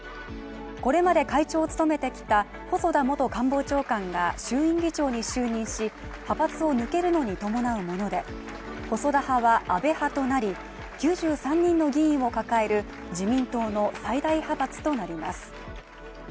これまで会長を務めてきた細田元官房長官が衆院議長に就任し派閥を抜けるのに伴うもので、細田派は安倍派となり、９３人の議員を抱える自民党の最大派閥となります。